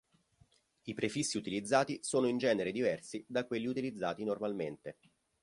I prefissi utilizzati sono in genere diversi da quelli utilizzati normalmente.